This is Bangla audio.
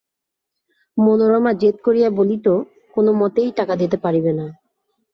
মনোরমা জেদ করিয়া বলিত–কোনোমতেই টাকা দিতে পারিবে না।